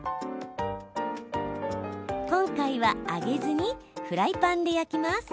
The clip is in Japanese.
今回は揚げずにフライパンで焼きます。